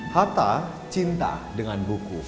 hatta cinta dengan buku